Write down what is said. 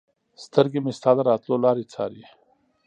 سترګې مې ستا د راتلو لارې څاري